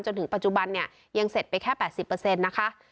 จนถึงปัจจุบันเนี้ยยังเสร็จไปแค่แปดสิบเปอร์เซ็นต์นะคะ